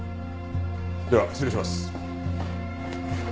では失礼します。